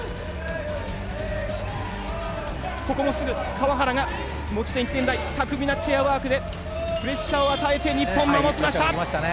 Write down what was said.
ここもすぐ川原が持ち点１点台巧みなチェアワークでプレッシャーを与えて日本守りました！